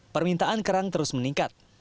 permintaan kerang terus meningkat